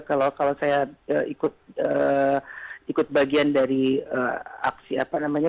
kalau saya ikut bagian dari aksi apa namanya